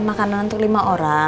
makanan untuk lima orang